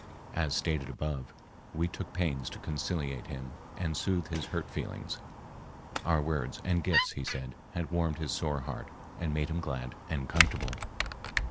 As stated above, we took pains to conciliate him and soothe his hurt feelings. Our words and gifts, he said, had warmed his sore heart and made him glad and comfortable.